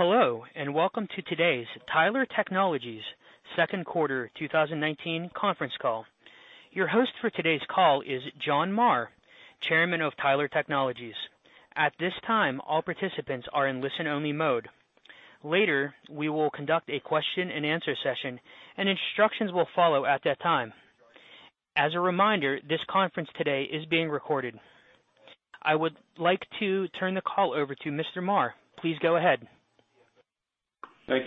Hello, welcome to today's Tyler Technologies second quarter 2019 conference call. Your host for today's call is John Marr, Chairman of Tyler Technologies. At this time, all participants are in listen-only mode. Later, we will conduct a question and answer session, and instructions will follow at that time. As a reminder, this conference today is being recorded. I would like to turn the call over to Mr. Marr. Please go ahead. Thank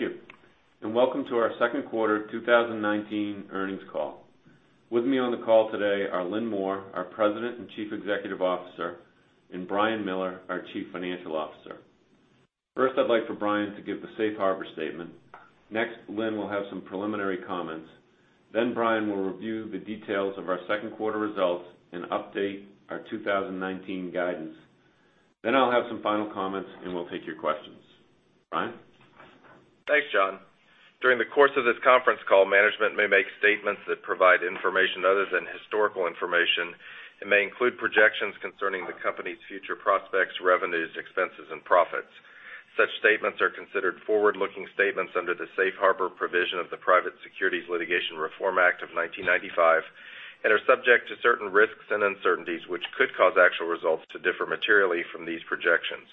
you. Welcome to our second quarter 2019 earnings call. With me on the call today are Lynn Moore, our President and Chief Executive Officer, and Brian Miller, our Chief Financial Officer. First, I'd like for Brian to give the safe harbor statement. Next, Lynn will have some preliminary comments. Brian will review the details of our second quarter results and update our 2019 guidance. I'll have some final comments, and we'll take your questions. Brian? Thanks, John. During the course of this conference call, management may make statements that provide information other than historical information and may include projections concerning the company's future prospects, revenues, expenses, and profits. Such statements are considered forward-looking statements under the safe harbor provision of the Private Securities Litigation Reform Act of 1995 and are subject to certain risks and uncertainties which could cause actual results to differ materially from these projections.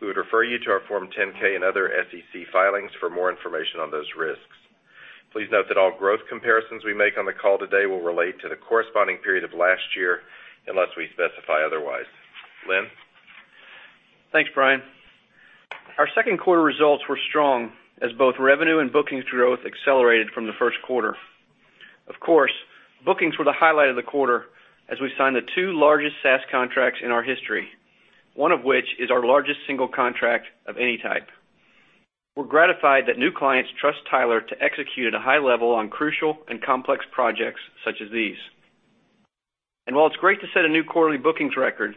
We would refer you to our Form 10-K and other SEC filings for more information on those risks. Please note that all growth comparisons we make on the call today will relate to the corresponding period of last year unless we specify otherwise. Lynn? Thanks, Brian. Our second quarter results were strong as both revenue and bookings growth accelerated from the first quarter. Of course, bookings were the highlight of the quarter as we signed the two largest SaaS contracts in our history, one of which is our largest single contract of any type. We're gratified that new clients trust Tyler to execute at a high level on crucial and complex projects such as these. While it's great to set a new quarterly bookings record,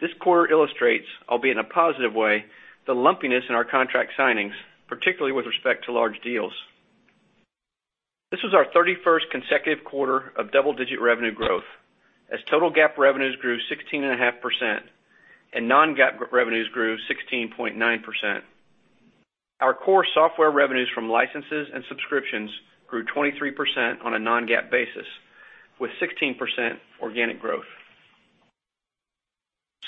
this quarter illustrates, albeit in a positive way, the lumpiness in our contract signings, particularly with respect to large deals. This was our 31st consecutive quarter of double-digit revenue growth as total GAAP revenues grew 16.5% and non-GAAP revenues grew 16.9%. Our core software revenues from licenses and subscriptions grew 23% on a non-GAAP basis, with 16% organic growth.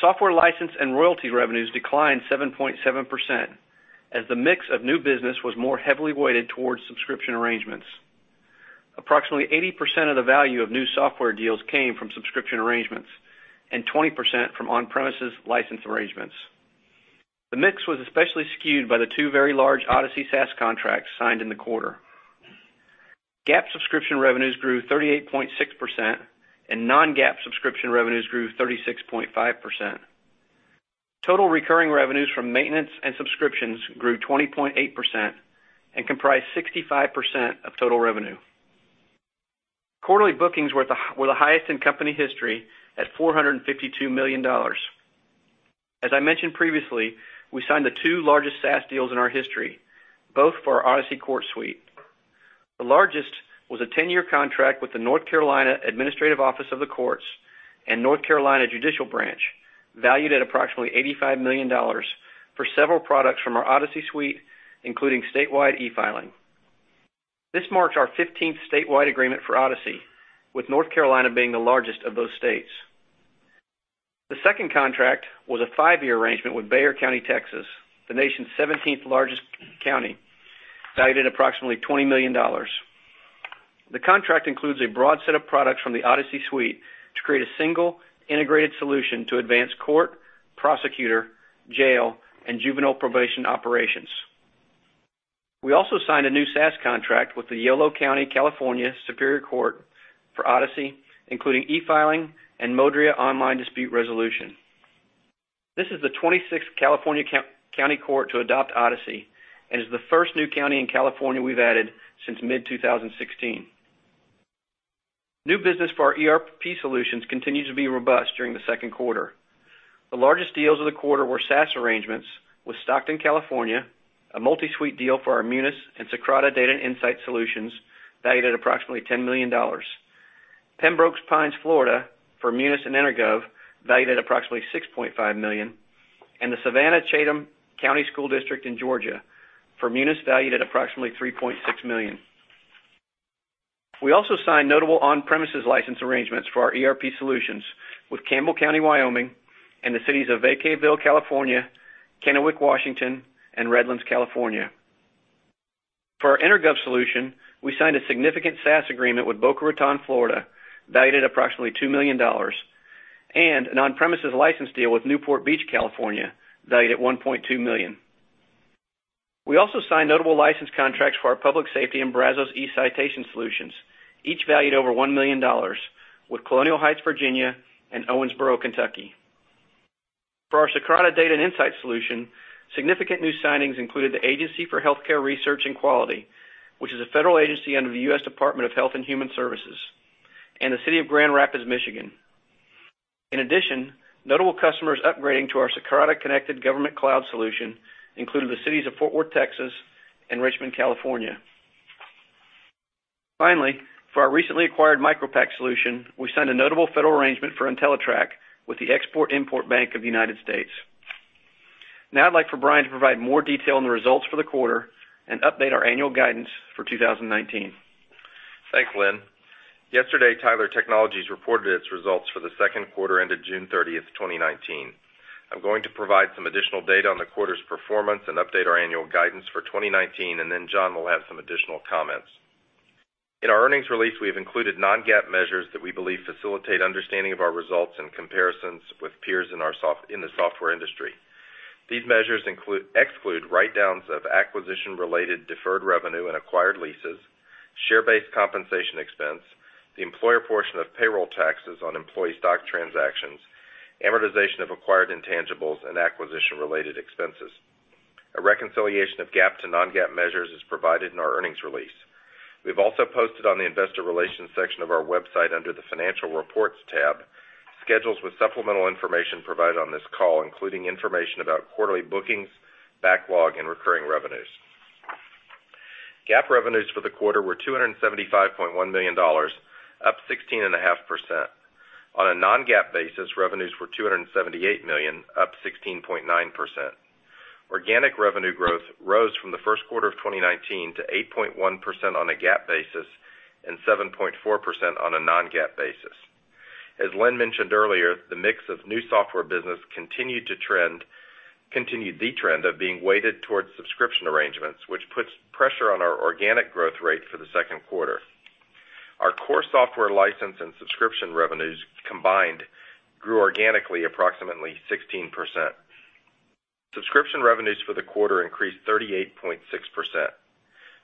Software license and royalty revenues declined 7.7% as the mix of new business was more heavily weighted towards subscription arrangements. Approximately 80% of the value of new software deals came from subscription arrangements and 20% from on-premises license arrangements. The mix was especially skewed by the two very large Odyssey SaaS contracts signed in the quarter. GAAP subscription revenues grew 38.6%, and non-GAAP subscription revenues grew 36.5%. Total recurring revenues from maintenance and subscriptions grew 20.8% and comprised 65% of total revenue. Quarterly bookings were the highest in company history at $452 million. As I mentioned previously, we signed the two largest SaaS deals in our history, both for our Odyssey Justice Suite. The largest was a 10-year contract with the North Carolina Administrative Office of the Courts and North Carolina Judicial Branch, valued at approximately $85 million for several products from our Odyssey suite, including statewide e-filing. This marks our 15th statewide agreement for Odyssey, with North Carolina being the largest of those states. The second contract was a five-year arrangement with Bexar County, Texas, the nation's 17th largest county, valued at approximately $20 million. The contract includes a broad set of products from the Odyssey suite to create a single, integrated solution to advance court, prosecutor, jail, and juvenile probation operations. We also signed a new SaaS contract with the Yolo County, California Superior Court for Odyssey, including e-filing and Modria online dispute resolution. This is the 26th California County Court to adopt Odyssey and is the first new county in California we've added since mid-2016. New business for our ERP solutions continued to be robust during the second quarter. The largest deals of the quarter were SaaS arrangements with Stockton, California, a multi-suite deal for our Munis and Socrata data and insight solutions valued at approximately $10 million. Pembroke Pines, Florida, for Munis and EnerGov, valued at approximately $6.5 million, and the Savannah-Chatham County Public School System in Georgia for Munis, valued at approximately $3.6 million. We also signed notable on-premises license arrangements for our ERP solutions with Campbell County, Wyoming, and the cities of Vacaville, California, Kennewick, Washington, and Redlands, California. For our EnerGov solution, we signed a significant SaaS agreement with Boca Raton, Florida, valued at approximately $2 million, and an on-premises license deal with Newport Beach, California, valued at $1.2 million. We also signed notable license contracts for our Public Safety and Brazos eCitation solutions, each valued over $1 million with Colonial Heights, Virginia, and Owensboro, Kentucky. For our Socrata data and insight solution, significant new signings included the Agency for Healthcare Research and Quality, which is a federal agency under the U.S. Department of Health and Human Services, and the City of Grand Rapids, Michigan. In addition, notable customers upgrading to our Socrata Connected Government Cloud solution included the cities of Fort Worth, Texas, and Richmond, California. Finally, for our recently acquired MicroPact solution, we signed a notable federal arrangement for Entellitrak with the Export-Import Bank of the United States. Now I'd like for Brian to provide more detail on the results for the quarter and update our annual guidance for 2019. Thanks, Lynn. Yesterday, Tyler Technologies reported its results for the second quarter ended June 30th, 2019. I'm going to provide some additional data on the quarter's performance and update our annual guidance for 2019. Then John will have some additional comments. In our earnings release, we have included non-GAAP measures that we believe facilitate understanding of our results and comparisons with peers in the software industry. These measures exclude write-downs of acquisition-related deferred revenue and acquired leases, share-based compensation expense, the employer portion of payroll taxes on employee stock transactions, amortization of acquired intangibles, and acquisition-related expenses. A reconciliation of GAAP to non-GAAP measures is provided in our earnings release. We've also posted on the investor relations section of our website, under the financial reports tab, schedules with supplemental information provided on this call, including information about quarterly bookings, backlog, and recurring revenues. GAAP revenues for the quarter were $275.1 million, up 16.5%. On a non-GAAP basis, revenues were $278 million, up 16.9%. Organic revenue growth rose from the first quarter of 2019 to 8.1% on a GAAP basis and 7.4% on a non-GAAP basis. As Lynn mentioned earlier, the mix of new software business continued the trend of being weighted towards subscription arrangements, which puts pressure on our organic growth rate for the second quarter. Our core software license and subscription revenues combined grew organically approximately 16%. Subscription revenues for the quarter increased 38.6%.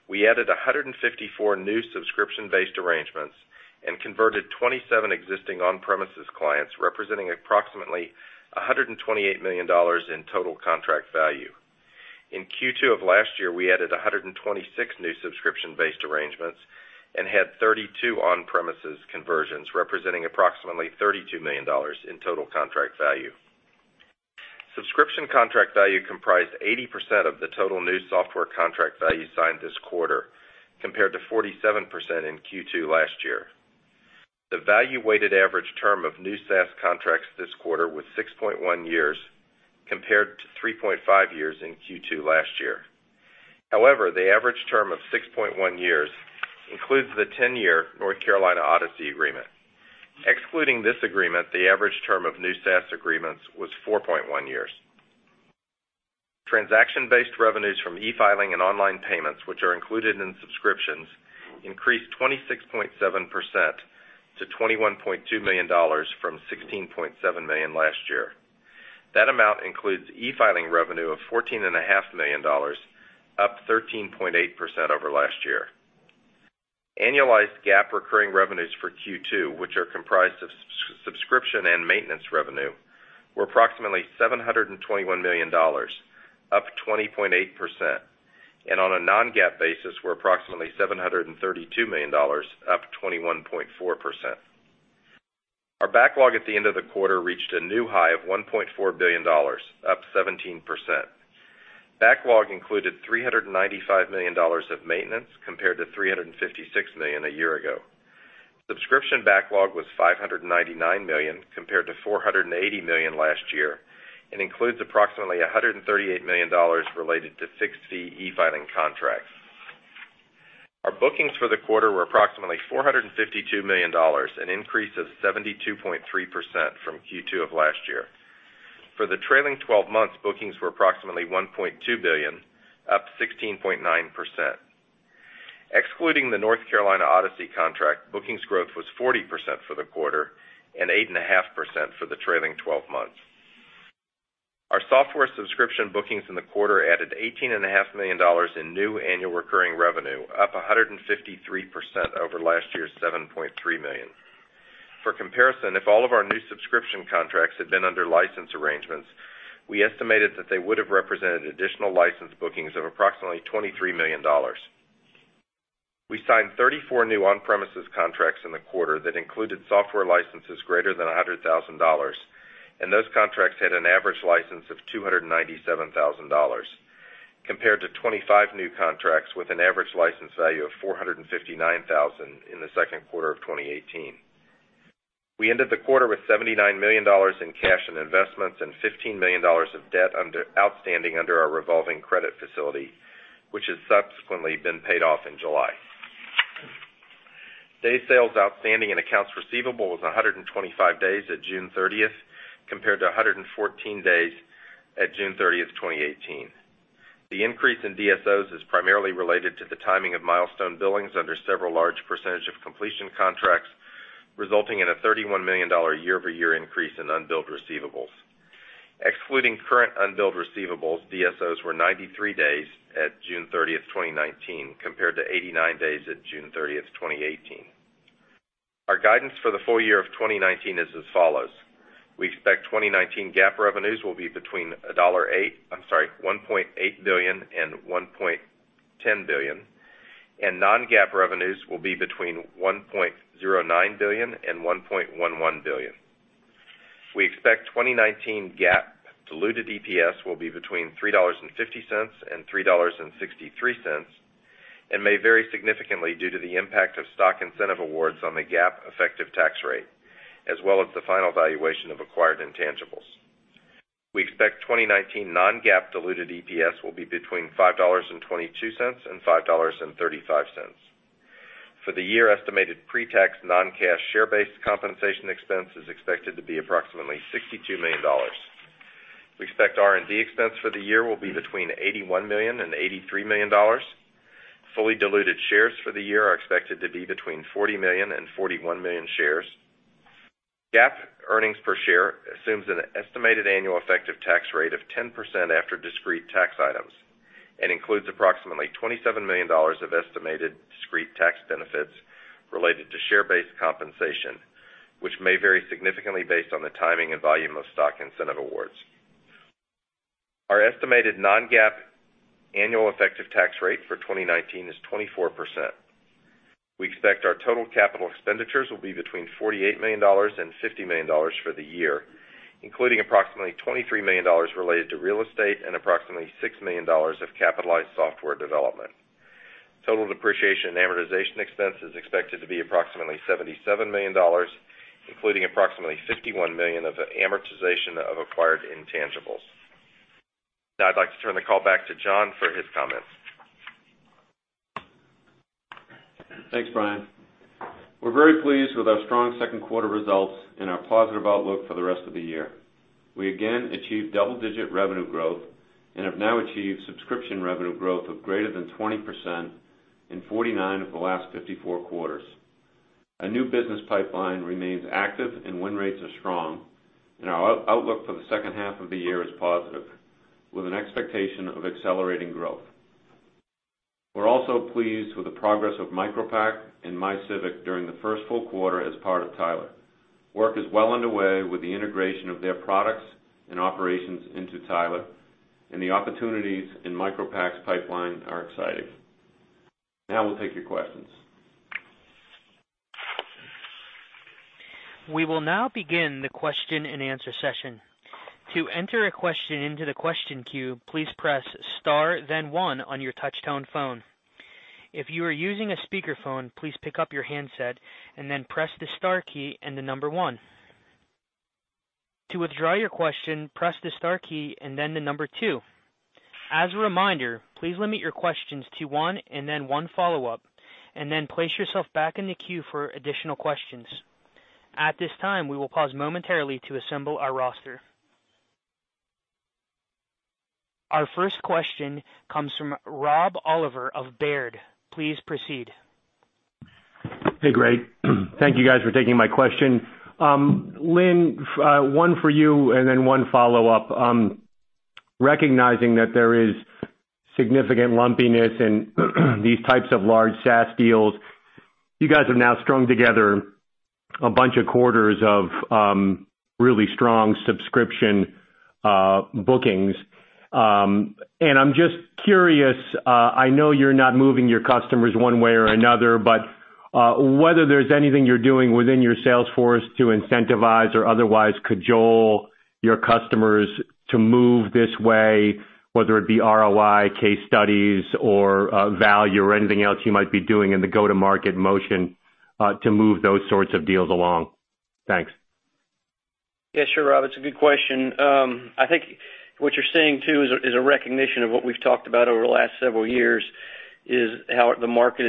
We added 154 new subscription-based arrangements and converted 27 existing on-premises clients, representing approximately $128 million in total contract value. In Q2 of last year, we added 126 new subscription-based arrangements and had 32 on-premises conversions, representing approximately $32 million in total contract value. Subscription contract value comprised 80% of the total new software contract value signed this quarter, compared to 47% in Q2 last year. The value-weighted average term of new SaaS contracts this quarter was 6.1 years, compared to 3.5 years in Q2 last year. However, the average term of 6.1 years includes the 10-year North Carolina Odyssey agreement. Excluding this agreement, the average term of new SaaS agreements was 4.1 years. Transaction-based revenues from e-filing and online payments, which are included in subscriptions, increased 26.7% to $21.2 million from $16.7 million last year. That amount includes e-filing revenue of $14.5 million, up 13.8% over last year. Annualized GAAP recurring revenues for Q2, which are comprised of subscription and maintenance revenue, were approximately $721 million, up 20.8%, and on a non-GAAP basis were approximately $732 million, up 21.4%. Our backlog at the end of the quarter reached a new high of $1.4 billion, up 17%. Backlog included $395 million of maintenance compared to $356 million a year ago. Subscription backlog was $599 million compared to $480 million last year, and includes approximately $138 million related to 60 e-filing contracts. Our bookings for the quarter were approximately $452 million, an increase of 72.3% from Q2 of last year. For the trailing 12 months, bookings were approximately $1.2 billion, up 16.9%. Excluding the North Carolina Odyssey contract, bookings growth was 40% for the quarter and 8.5% for the trailing 12 months. Our software subscription bookings in the quarter added $18.5 million in new annual recurring revenue, up 153% over last year's $7.3 million. For comparison, if all of our new subscription contracts had been under license arrangements, we estimated that they would have represented additional license bookings of approximately $23 million. We signed 34 new on-premises contracts in the quarter that included software licenses greater than $100,000, and those contracts had an average license of $297,000, compared to 25 new contracts with an average license value of $459,000 in the second quarter of 2018. We ended the quarter with $79 million in cash and investments and $15 million of debt outstanding under our revolving credit facility, which has subsequently been paid off in July. Day sales outstanding and accounts receivable was 125 days at June 30th, compared to 114 days at June 30th, 2018. The increase in DSOs is primarily related to the timing of milestone billings under several large percentage of completion contracts, resulting in a $31 million year-over-year increase in unbilled receivables. Excluding current unbilled receivables, DSOs were 93 days at June 30th, 2019, compared to 89 days at June 30th, 2018. Our guidance for the full year of 2019 is as follows. We expect 2019 GAAP revenues will be between $1.8 billion and $1.10 billion, and non-GAAP revenues will be between $1.09 billion and $1.11 billion. We expect 2019 GAAP diluted EPS will be between $3.50 and $3.63, and may vary significantly due to the impact of stock incentive awards on the GAAP effective tax rate, as well as the final valuation of acquired intangibles. We expect 2019 non-GAAP diluted EPS will be between $5.22 and $5.35. For the year, estimated pre-tax non-cash share-based compensation expense is expected to be approximately $62 million. We expect R&D expense for the year will be between $81 million and $83 million. Fully diluted shares for the year are expected to be between 40 million and 41 million shares. GAAP earnings per share assumes an estimated annual effective tax rate of 10% after discrete tax items and includes approximately $27 million of estimated discrete tax benefits related to share-based compensation, which may vary significantly based on the timing and volume of stock incentive awards. Our estimated non-GAAP annual effective tax rate for 2019 is 24%. We expect our total capital expenditures will be between $48 million and $50 million for the year, including approximately $23 million related to real estate and approximately $6 million of capitalized software development. Total depreciation and amortization expense is expected to be approximately $77 million, including approximately $51 million of amortization of acquired intangibles. Now, I'd like to turn the call back to John for his comments. Thanks, Brian. We're very pleased with our strong second quarter results and our positive outlook for the rest of the year. We again achieved double-digit revenue growth and have now achieved subscription revenue growth of greater than 20% in 49 of the last 54 quarters. Our new business pipeline remains active and win rates are strong. Our outlook for the second half of the year is positive, with an expectation of accelerating growth. We're also pleased with the progress of MicroPact and MyCivic during the first full quarter as part of Tyler. Work is well underway with the integration of their products and operations into Tyler. The opportunities in MicroPact's pipeline are exciting. Now we'll take your questions. We will now begin the question and answer session. To enter a question into the question queue, please press star then one on your touch-tone phone. If you are using a speakerphone, please pick up your handset and then press the star key and the number one. To withdraw your question, press the star key and then the number two. As a reminder, please limit your questions to one and then one follow-up, and then place yourself back in the queue for additional questions. At this time, we will pause momentarily to assemble our roster. Our first question comes from Rob Oliver of Baird. Please proceed. Hey, great. Thank you guys for taking my question. Lynn, one for you and then one follow-up. Recognizing that there is significant lumpiness in these types of large SaaS deals, you guys have now strung together a bunch of quarters of really strong subscription bookings. I'm just curious, I know you're not moving your customers one way or another, but whether there's anything you're doing within your sales force to incentivize or otherwise cajole your customers to move this way, whether it be ROI, case studies or value or anything else you might be doing in the go-to-market motion, to move those sorts of deals along. Thanks. Yeah, sure, Rob. It's a good question. I think what you're seeing, too, is a recognition of what we've talked about over the last several years, is how the market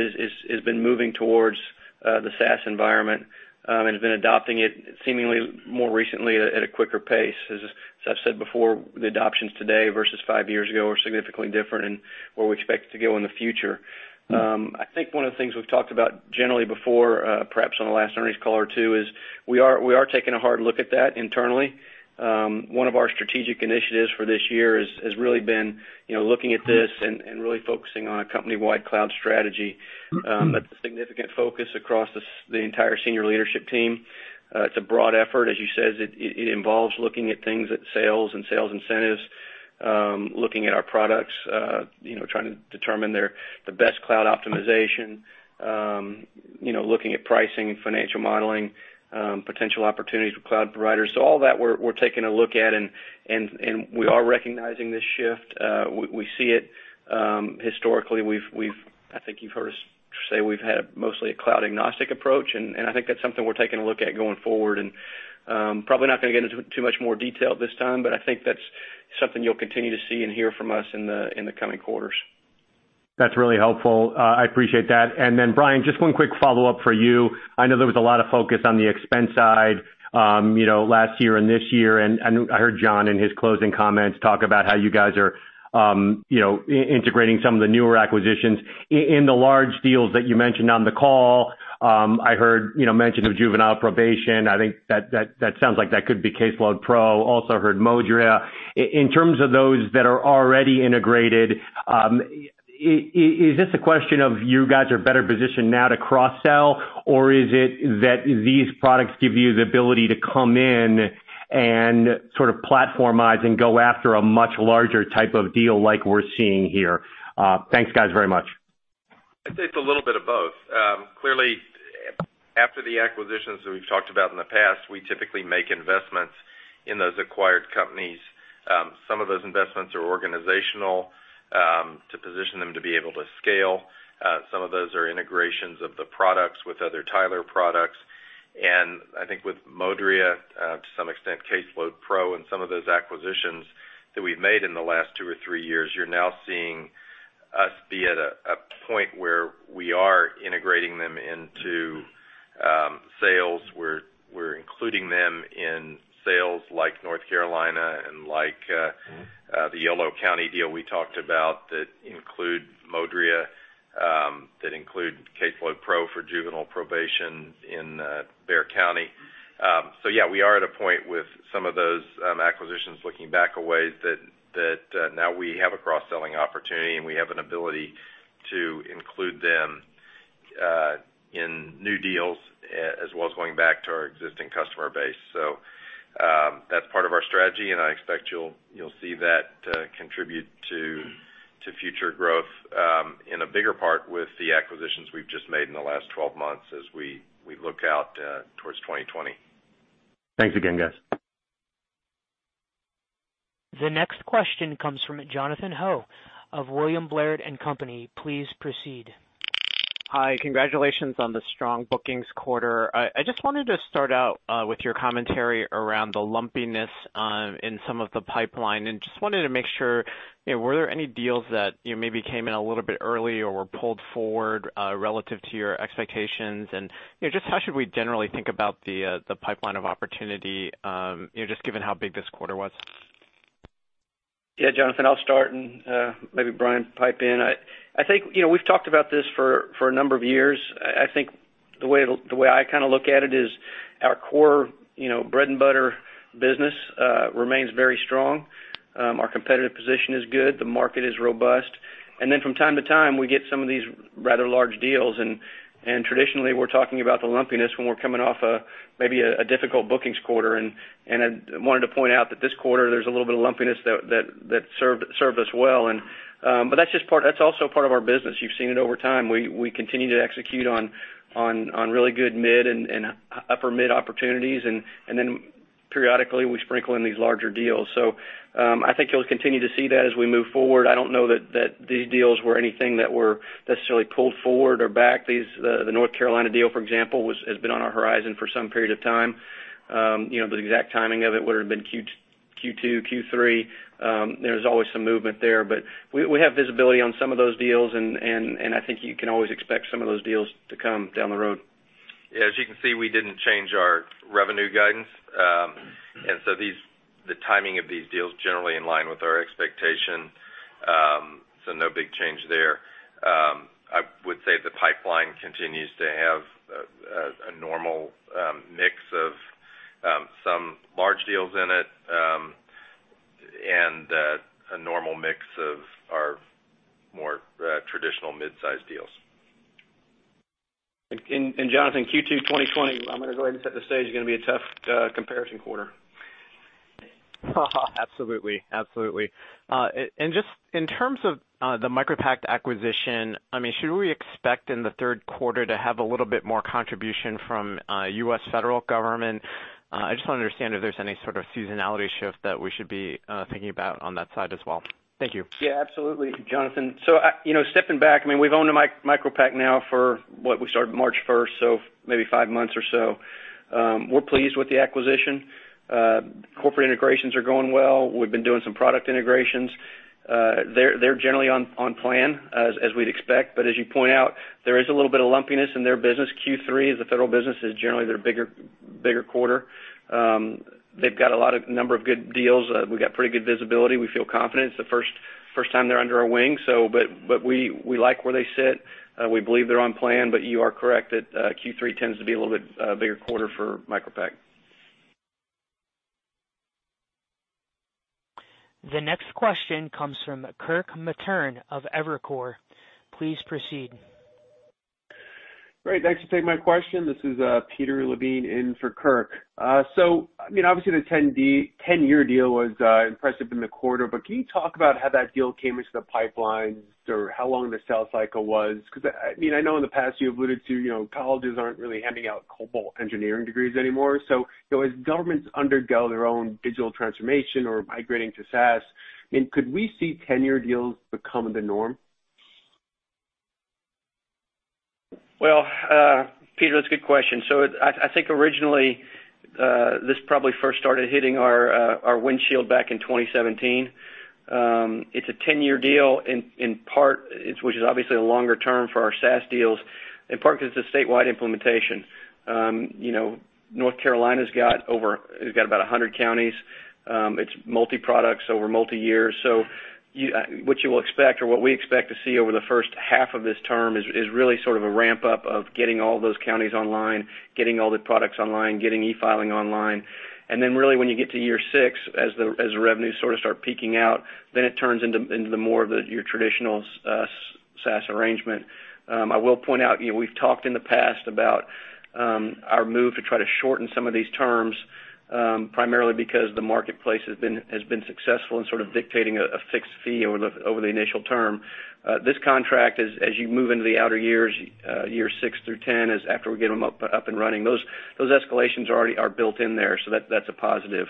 has been moving towards the SaaS environment, and has been adopting it seemingly more recently at a quicker pace. As I've said before, the adoptions today versus five years ago are significantly different and where we expect it to go in the future. I think one of the things we've talked about generally before, perhaps on the last earnings call or two, is we are taking a hard look at that internally. One of our strategic initiatives for this year has really been looking at this and really focusing on a company-wide cloud strategy. That's a significant focus across the entire senior leadership team. It's a broad effort, as you said. It involves looking at things at sales and sales incentives, looking at our products, trying to determine the best cloud optimization, looking at pricing and financial modeling, potential opportunities with cloud providers. All that we're taking a look at, and we are recognizing this shift. We see it. Historically, I think you've heard us say we've had mostly a cloud-agnostic approach, and I think that's something we're taking a look at going forward, and probably not going to get into too much more detail at this time, but I think that's something you'll continue to see and hear from us in the coming quarters. That's really helpful. I appreciate that. Brian, just one quick follow-up for you. I know there was a lot of focus on the expense side last year and this year, I heard John in his closing comments talk about how you guys are integrating some of the newer acquisitions. In the large deals that you mentioned on the call, I heard mention of Juvenile Probation. I think that sounds like that could be CaseloadPRO, also heard Modria. In terms of those that are already integrated, is this a question of you guys are better positioned now to cross-sell, or is it that these products give you the ability to come in and sort of platformize and go after a much larger type of deal like we're seeing here? Thanks, guys, very much. I'd say it's a little bit of both. Clearly, after the acquisitions that we've talked about in the past, we typically make investments in those acquired companies. Some of those investments are organizational, to position them to be able to scale. Some of those are integrations of the products with other Tyler products. I think with Modria, to some extent, CaseloadPRO, and some of those acquisitions that we've made in the last two or three years, you're now seeing us be at a point where we are integrating them into sales. We're including them in sales like North Carolina and like the Yolo County deal we talked about that include Modria, that include CaseloadPRO for juvenile probation in Bexar County. Yeah, we are at a point with some of those acquisitions, looking back a way, that now we have a cross-selling opportunity, and we have an ability to include them in new deals, as well as going back to our existing customer base. That's part of our strategy, and I expect you'll see that contribute to future growth in a bigger part with the acquisitions we've just made in the last 12 months as we look out towards 2020. Thanks again, guys. The next question comes from Jonathan Ho of William Blair & Company. Please proceed. Hi. Congratulations on the strong bookings quarter. I just wanted to start out with your commentary around the lumpiness in some of the pipeline, and just wanted to make sure, were there any deals that maybe came in a little bit early or were pulled forward, relative to your expectations? Just how should we generally think about the pipeline of opportunity, just given how big this quarter was? Yeah, Jonathan, I'll start and maybe Brian pipe in. I think we've talked about this for a number of years. I think the way I look at it is our core bread-and-butter business remains very strong. Our competitive position is good. The market is robust. From time to time, we get some of these rather large deals, and traditionally, we're talking about the lumpiness when we're coming off maybe a difficult bookings quarter. I wanted to point out that this quarter, there's a little bit of lumpiness that served us well. That's also part of our business. You've seen it over time. We continue to execute on really good mid and upper mid opportunities. Periodically we sprinkle in these larger deals. I think you'll continue to see that as we move forward. I don't know that these deals were anything that were necessarily pulled forward or back. The North Carolina deal, for example, has been on our horizon for some period of time. The exact timing of it, whether it had been Q2, Q3, there's always some movement there. We have visibility on some of those deals, and I think you can always expect some of those deals to come down the road. As you can see, we didn't change our revenue guidance. The timing of these deals generally in line with our expectation. No big change there. I would say the pipeline continues to have a normal mix of some large deals in it, and a normal mix of our more traditional mid-size deals. Jonathan, Q2 2020, I'm going to go ahead and set the stage, is going to be a tough comparison quarter. Absolutely. Just in terms of the MicroPact acquisition, should we expect in the third quarter to have a little bit more contribution from U.S. Federal Government? I just want to understand if there's any sort of seasonality shift that we should be thinking about on that side as well. Thank you. Yeah, absolutely, Jonathan. Stepping back, we've owned MicroPact now for what? We started March 1st, maybe five months or so. We're pleased with the acquisition. Corporate integrations are going well. We've been doing some product integrations. They're generally on plan as we'd expect. As you point out, there is a little bit of lumpiness in their business. Q3 is the federal business, is generally their bigger quarter. They've got a number of good deals. We've got pretty good visibility. We feel confident. It's the first time they're under our wing. We like where they sit. We believe they're on plan, you are correct that Q3 tends to be a little bit bigger quarter for MicroPact. The next question comes from Kirk Materne of Evercore. Please proceed. Great. Thanks for taking my question. This is Peter Levine in for Kirk. Obviously the 10-year deal was impressive in the quarter, but can you talk about how that deal came into the pipeline or how long the sales cycle was? Because I know in the past you alluded to colleges aren't really handing out COBOL engineering degrees anymore. As governments undergo their own digital transformation or migrating to SaaS, could we see 10-year deals become the norm? Well, Peter, that's a good question. I think originally, this probably first started hitting our windshield back in 2017. It's a 10-year deal in part, which is obviously longer term for our SaaS deals, in part because it's a statewide implementation. North Carolina's got about 100 counties. It's multi-products over multi-years. What you will expect or what we expect to see over the first half of this term is really sort of a ramp-up of getting all those counties online, getting all the products online, getting e-filing online. Really when you get to year six, as the revenues sort of start peaking out, then it turns into more of your traditional SaaS arrangement. I will point out, we've talked in the past about our move to try to shorten some of these terms, primarily because the marketplace has been successful in sort of dictating a fixed fee over the initial term. This contract, as you move into the outer years 6 through 10, is after we get them up and running. Those escalations already are built in there. That's a positive.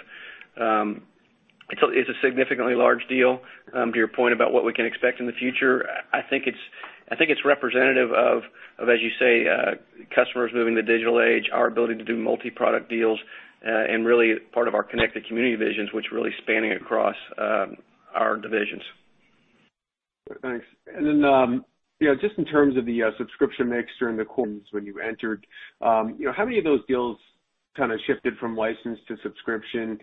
It's a significantly large deal. To your point about what we can expect in the future, I think it's representative of, as you say, customers moving to the digital age, our ability to do multi-product deals, and really part of our connected community visions, which really spanning across our divisions. Thanks. Just in terms of the subscription mix during the quarter when you entered, how many of those deals kind of shifted from license to subscription?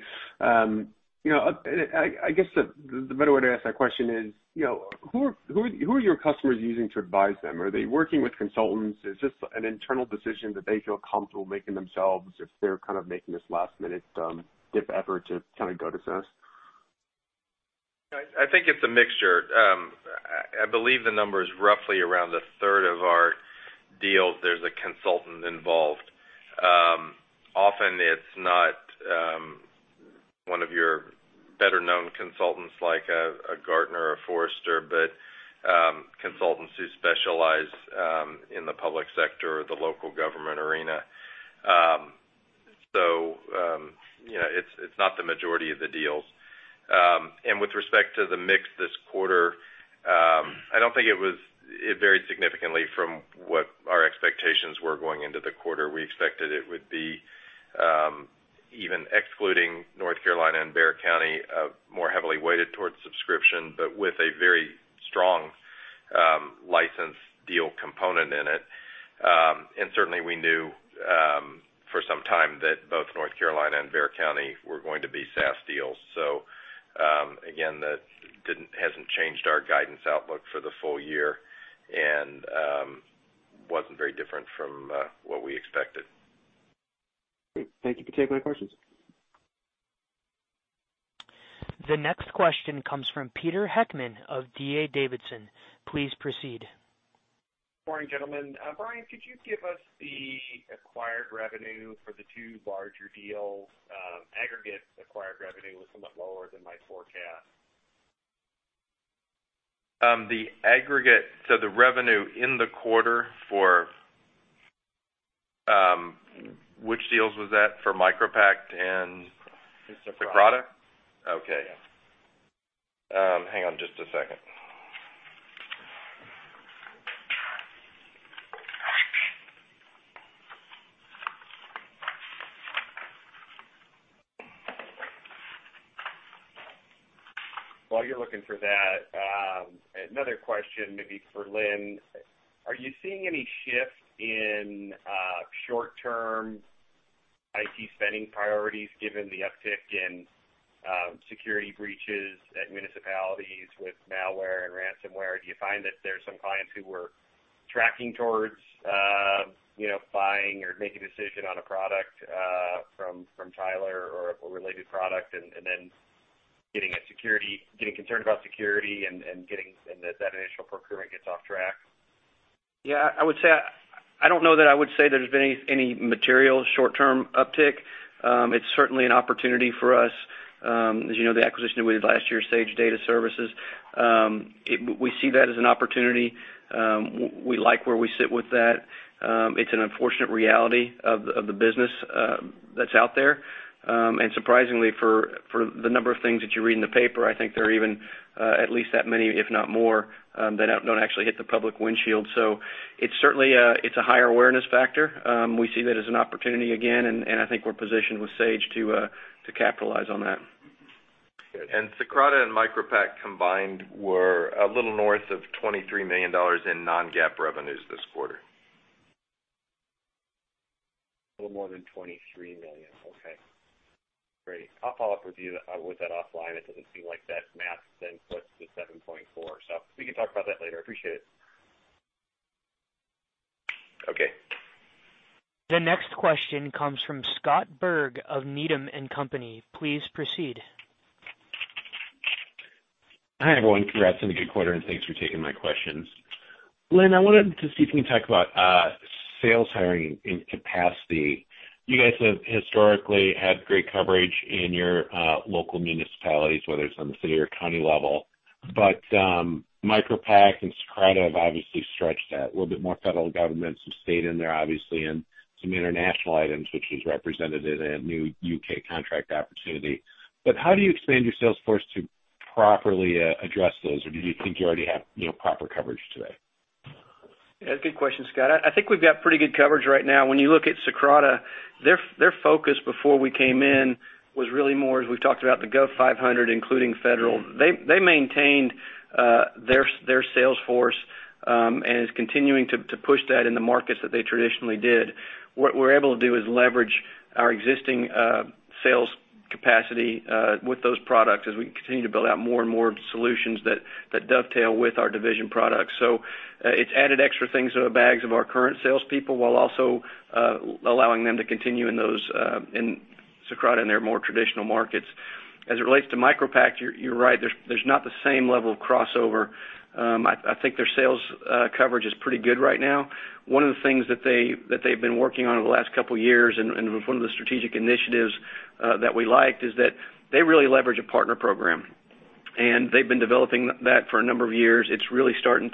I guess the better way to ask that question is, who are your customers using to advise them? Are they working with consultants? Is this an internal decision that they feel comfortable making themselves if they're kind of making this last-minute dip effort to kind of go to SaaS? I think it's a mixture. I believe the number is roughly around a third of our deals, there's a consultant involved. Often it's not one of your better-known consultants like a Gartner or Forrester, but consultants who specialize in the public sector or the local government arena. It's not the majority of the deals. With respect to the mix this quarter, I don't think it varied significantly from what our expectations were going into the quarter. We expected it would be, even excluding North Carolina and Bexar County, more heavily weighted towards subscription, but with a very strong license deal component in it. Certainly, we knew for some time that both North Carolina and Bexar County were going to be SaaS deals. Again, that hasn't changed our guidance outlook for the full year and wasn't very different from what we expected. Great. Thank you for taking my questions. The next question comes from Peter Heckmann of D.A. Davidson. Please proceed. Morning, gentlemen. Brian, could you give us the acquired revenue for the two larger deals? Aggregate acquired revenue was somewhat lower than my forecast. The aggregate to the revenue in the quarter for which deals was that? For MicroPact and? Socrata. Socrata? Okay. Yeah. Hang on just a second. While you're looking for that, another question maybe for Lynn. Are you seeing any shift in short-term IT spending priorities given the uptick in security breaches at municipalities with malware and ransomware? Do you find that there's some clients who were tracking towards buying or making a decision on a product from Tyler or a related product and then getting concerned about security and that initial procurement gets off track? Yeah, I don't know that I would say there's been any material short-term uptick. It's certainly an opportunity for us. As you know, the acquisition we did last year, Sage Data Security, we see that as an opportunity. We like where we sit with that. It's an unfortunate reality of the business that's out there. Surprisingly, for the number of things that you read in the paper, I think there are even at least that many, if not more, that don't actually hit the public windshield. It's a higher awareness factor. We see that as an opportunity again, and I think we're positioned with Sage to capitalize on that. Socrata and MicroPact combined were a little north of $23 million in non-GAAP revenues this quarter. A little more than $23 million. Okay, great. I'll follow up with you with that offline. It doesn't seem like that math then puts the 7.4. We can talk about that later. Appreciate it. Okay. The next question comes from Scott Berg of Needham & Company. Please proceed. Hi, everyone. Congrats on a good quarter, thanks for taking my questions. Lynn, I wanted to see if you can talk about sales hiring and capacity. You guys have historically had great coverage in your local municipalities, whether it's on the city or county level. MicroPact and Socrata have obviously stretched that. A little bit more federal government, some state in there obviously, and some international items, which was represented in a new U.K. contract opportunity. How do you expand your sales force to properly address those, or do you think you already have proper coverage today? Yeah, good question, Scott. I think we've got pretty good coverage right now. When you look at Socrata, their focus before we came in was really more, as we've talked about, the Gov 500, including federal. They maintained their sales force and is continuing to push that in the markets that they traditionally did. What we're able to do is leverage our existing sales capacity with those products as we continue to build out more and more solutions that dovetail with our division products. It's added extra things to the bags of our current salespeople while also allowing them to continue in Socrata and their more traditional markets. As it relates to MicroPact, you're right. There's not the same level of crossover. I think their sales coverage is pretty good right now. One of the things that they've been working on over the last couple of years, and it was one of the strategic initiatives that we liked, is that they really leverage a partner program, and they've been developing that for a number of years. It's really starting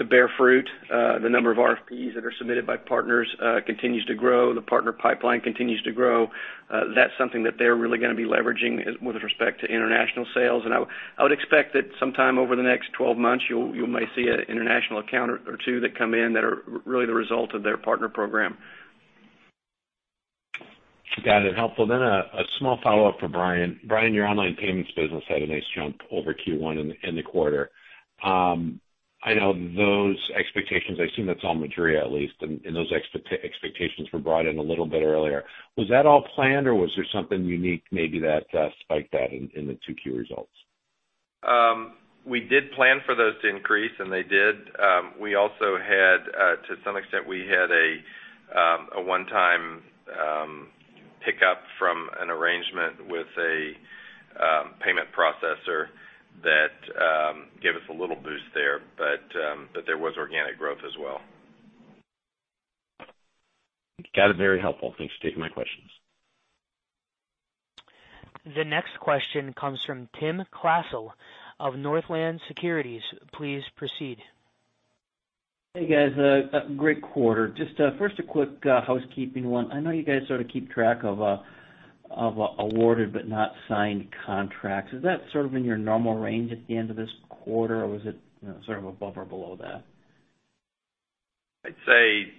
to bear fruit. The number of RFPs that are submitted by partners continues to grow. The partner pipeline continues to grow. That's something that they're really going to be leveraging with respect to international sales. I would expect that sometime over the next 12 months, you may see an international account or two that come in that are really the result of their partner program. Got it. Helpful. A small follow-up for Brian. Brian, your online payments business had a nice jump over Q1 in the quarter. I know those expectations, I assume that's all maturity, at least, and those expectations were brought in a little bit earlier. Was that all planned, or was there something unique maybe that spiked that in the 2Q results? We did plan for those to increase. They did. To some extent, we had a one-time pickup from an arrangement with a payment processor that gave us a little boost there. There was organic growth as well. Got it. Very helpful. Thanks for taking my questions. The next question comes from Tim Klasell of Northland Securities. Please proceed. Hey, guys. Great quarter. Just first, a quick housekeeping one. I know you guys sort of keep track of awarded but not signed contracts. Is that sort of in your normal range at the end of this quarter, or was it sort of above or below that? I'd say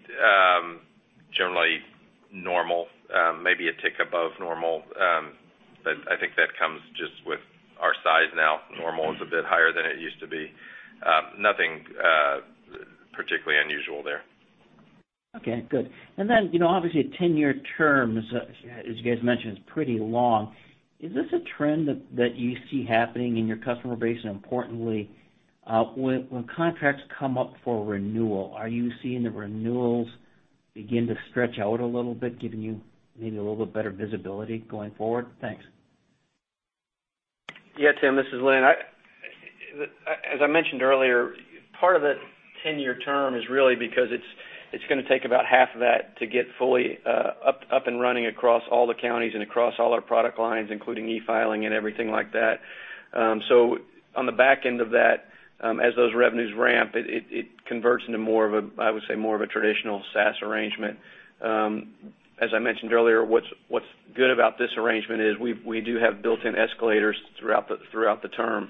generally normal, maybe a tick above normal. I think that comes just with our size now. Normal is a bit higher than it used to be. Nothing particularly unusual there. Okay, good. Obviously, a 10-year term, as you guys mentioned, is pretty long. Is this a trend that you see happening in your customer base? Importantly, when contracts come up for renewal, are you seeing the renewals begin to stretch out a little bit, giving you maybe a little bit better visibility going forward? Thanks. Yeah, Tim, this is Lynn. As I mentioned earlier, part of the 10-year term is really because it's going to take about half of that to get fully up and running across all the counties and across all our product lines, including e-filing and everything like that. On the back end of that, as those revenues ramp, it converts into more of a, I would say, more of a traditional SaaS arrangement. As I mentioned earlier, what's good about this arrangement is we do have built-in escalators throughout the term.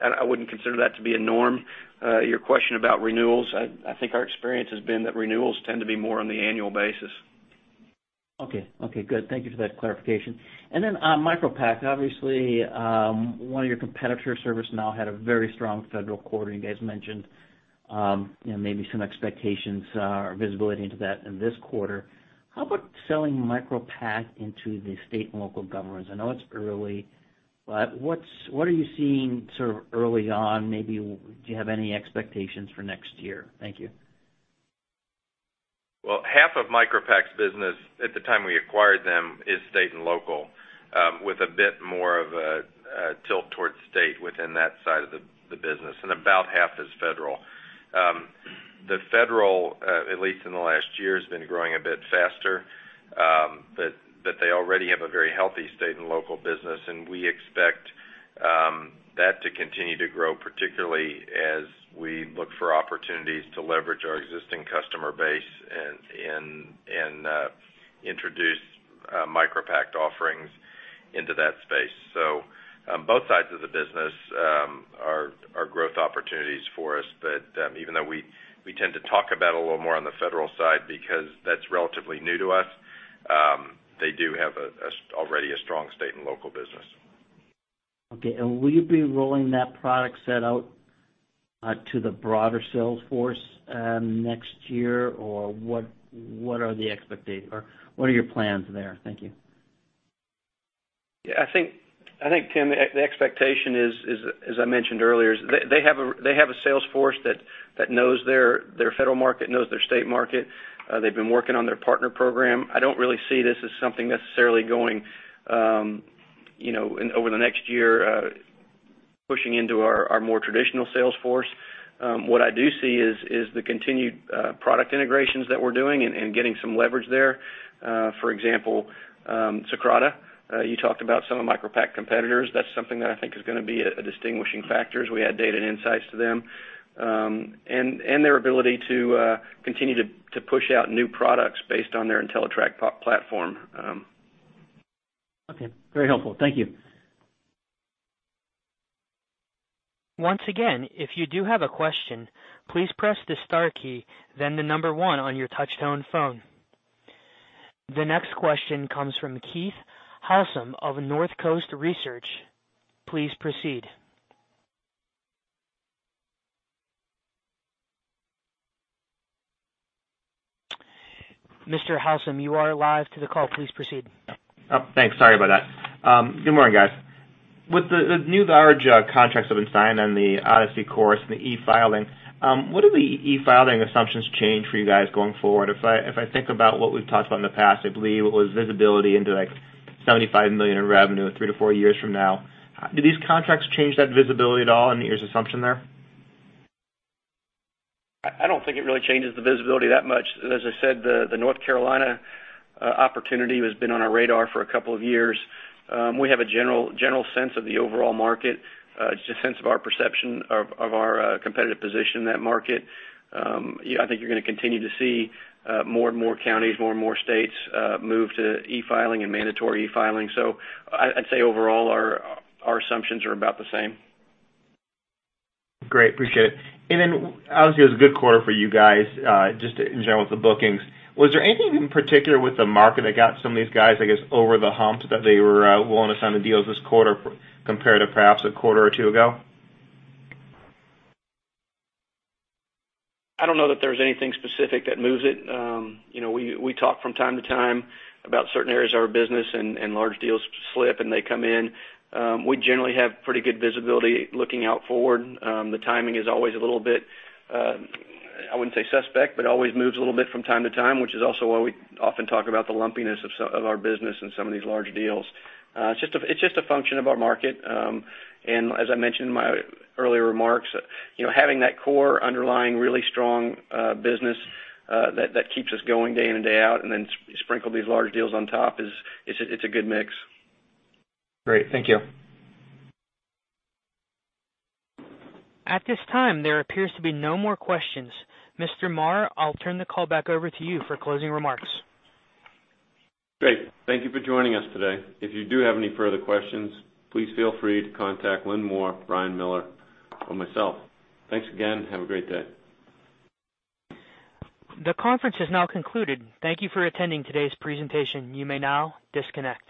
I wouldn't consider that to be a norm. Your question about renewals, I think our experience has been that renewals tend to be more on the annual basis. Okay. Good. Thank you for that clarification. On MicroPact, obviously, one of your competitor ServiceNow had a very strong federal quarter. You guys mentioned maybe some expectations or visibility into that in this quarter. How about selling MicroPact into the state and local governments? I know it's early, what are you seeing sort of early on? Maybe, do you have any expectations for next year? Thank you. Well, half of MicroPact's business at the time we acquired them is state and local, with a bit more of a tilt towards state within that side of the business, and about half is federal. The federal, at least in the last year, has been growing a bit faster, but they already have a very healthy state and local business, and we expect that to continue to grow, particularly as we look for opportunities to leverage our existing customer base and introduce MicroPact offerings into that space. Both sides of the business are growth opportunities for us. Even though we tend to talk about a little more on the federal side, because that's relatively new to us, they do have already a strong state and local business. Okay. Will you be rolling that product set out to the broader sales force next year? What are your plans there? Thank you. I think, Tim, the expectation is, as I mentioned earlier, they have a sales force that knows their federal market, knows their state market. They've been working on their partner program. I don't really see this as something necessarily going, over the next year, pushing into our more traditional sales force. What I do see is the continued product integrations that we're doing and getting some leverage there. For example, Socrata, you talked about some of MicroPact competitors. That's something that I think is going to be a distinguishing factor as we add data and insights to them, and their ability to continue to push out new products based on their Entellitrak platform. Okay. Very helpful. Thank you. Once again, if you do have a question, please press the star key, then the number one on your touchtone phone. The next question comes from Keith Housum of Northcoast Research. Please proceed. Mr. Housum, you are live to the call. Please proceed. Oh, thanks. Sorry about that. Good morning, guys. With the new large contracts that have been signed on the Odyssey courts and the e-filing, what are the e-filing assumptions change for you guys going forward? If I think about what we've talked about in the past, I believe it was visibility into $75 million in revenue 3 to 4 years from now. Do these contracts change that visibility at all in your assumption there? I don't think it really changes the visibility that much. As I said, the North Carolina opportunity has been on our radar for a couple of years. We have a general sense of the overall market, just a sense of our perception of our competitive position in that market. I think you're going to continue to see more and more counties, more and more states, move to e-filing and mandatory e-filing. Overall, our assumptions are about the same. Great. Appreciate it. Obviously it was a good quarter for you guys, just in general with the bookings. Was there anything in particular with the market that got some of these guys, I guess, over the hump that they were willing to sign the deals this quarter compared to perhaps a quarter or two ago? I don't know that there's anything specific that moves it. We talk from time to time about certain areas of our business and large deals slip, and they come in. We generally have pretty good visibility looking out forward. The timing is always a little bit, I wouldn't say suspect, but always moves a little bit from time to time, which is also why we often talk about the lumpiness of our business and some of these large deals. It's just a function of our market. As I mentioned in my earlier remarks, having that core underlying really strong business that keeps us going day in and day out and then sprinkle these large deals on top, it's a good mix. Great. Thank you. At this time, there appears to be no more questions. Mr. Marr, I'll turn the call back over to you for closing remarks. Great. Thank you for joining us today. If you do have any further questions, please feel free to contact Lynn Moore, Brian Miller, or myself. Thanks again. Have a great day. The conference has now concluded. Thank you for attending today's presentation. You may now disconnect.